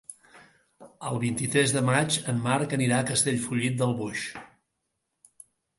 El vint-i-tres de maig en Marc anirà a Castellfollit del Boix.